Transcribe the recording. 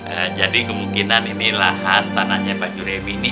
eee jadi kemungkinan ini lahan tanahnya pak juremi ini